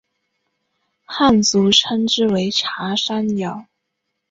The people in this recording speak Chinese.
汉族称之为茶山瑶。